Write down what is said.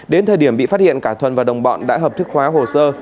đến thời điểm bị phát hiện cả thuần và đồng bọn đã hợp thức khóa hồ sơ